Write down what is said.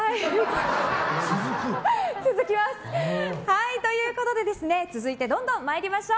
続きます！ということで、続いてどんどん参りましょう。